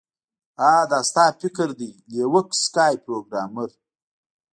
ها دا ستا فکر دی لیوک سکای پروګرامر